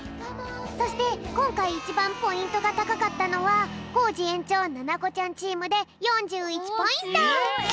そしてこんかいいちばんポイントがたかかったのはコージ園長ななこちゃんチームで４１ポイント！